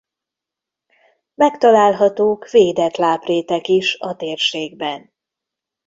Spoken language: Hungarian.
Megtalálhatók védett láprétek is a térségben.